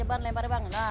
boleh dipacok bang ya